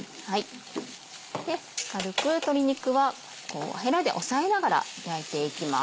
軽く鶏肉はこうヘラで押さえながら焼いていきます。